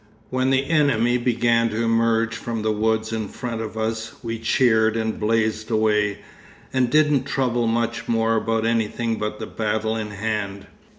When the enemy began to emerge from the woods in front of us, we cheered and blazed away, and didn't trouble much more about anything but the battle in hand.